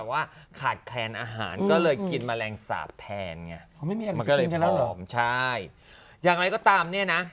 ว่าสามารถกระโดดร่ม